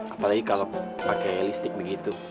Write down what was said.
apalagi kalau pakai listrik begitu